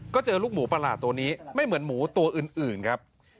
ก็เจอลูกหมูประหลาดตัวนี้ไม่เหมือนหมูตัวอื่นครับ